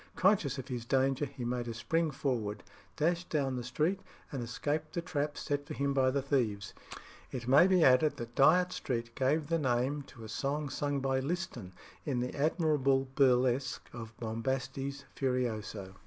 Conscious of his danger, he made a spring forward, dashed down the street, and escaped the trap set for him by the thieves. It may be added that Dyot Street gave the name to a song sung by Liston in the admirable burlesque of "Bombastes Furioso."